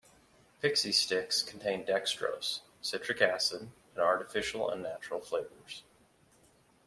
Pixy Stix contain dextrose, citric acid, and artificial and natural flavors.